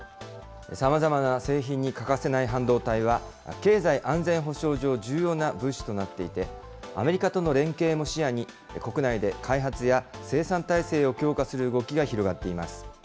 さまざまな製品に欠かせない半導体は、経済安全保障上、重要な物資となっていて、アメリカとの連携も視野に、国内で開発や生産体制を強化する動きが広がっています。